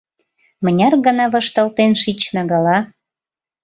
— Мыняр гана вашталтен шична гала?